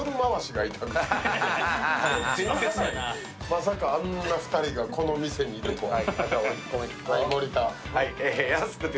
まさかあんな２人がこの店にいるとは。